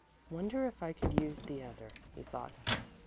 "Wonder if I could use the other," he thought.